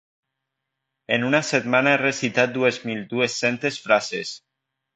En una setmana he recitat dues mil dues-centes frases